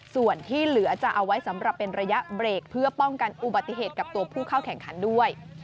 ส่วนที่เหลือจะเอาไว้สำหรับเป็นระยะเบรกเพื่อป้องกันอุบัติเหตุกับตัวผู้เข้าแข่งขันด้วย